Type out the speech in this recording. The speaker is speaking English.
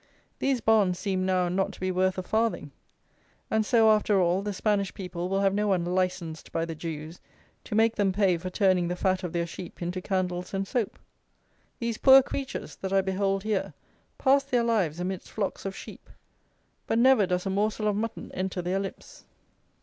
These bonds seem now not to be worth a farthing; and so after all the Spanish people will have no one "licensed" by the Jews to make them pay for turning the fat of their sheep into candles and soap. These poor creatures that I behold here pass their lives amidst flocks of sheep; but never does a morsel of mutton enter their lips.